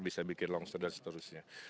bisa bikin longsor dan seterusnya